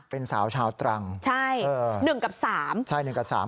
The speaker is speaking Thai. เป็นสาวชาวตรังใช่เออหนึ่งกับสามใช่หนึ่งกับสาม